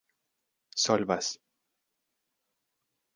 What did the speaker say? solvas